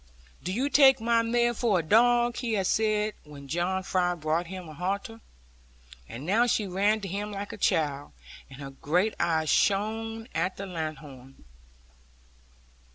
'Do you take my mare for a dog?' he had said when John Fry brought him a halter. And now she ran to him like a child, and her great eyes shone at the lanthorn.